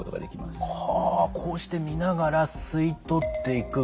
こうして見ながら吸い取っていく。